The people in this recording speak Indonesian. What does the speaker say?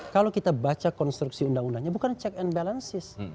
kalau kita baca konstruksi undang undangnya bukan check and balances